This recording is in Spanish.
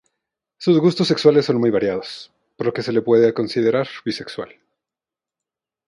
Sus gustos sexuales son muy variados, por lo que se le puede considerar bisexual.